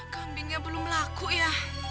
kambingnya belum laku ya